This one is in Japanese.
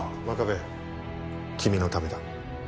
真壁君のためだ。